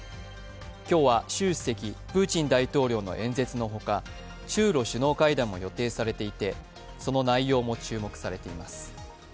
今日は習主席、プーチン大統領の演説のほか中ロ首脳会談も予定されていてその内容も注目されています。